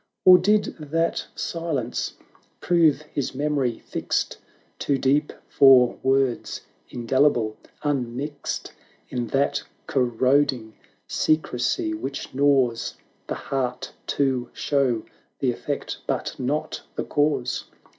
280 Or did that silence prove his memory fixed Too deep for words, indelible, unmixed In that corroding secrecy which gnaws The heart to show the effect, but not the cause?